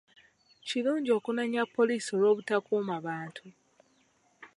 Kirungi okunenya poliisi olw'obutakuuma bantu.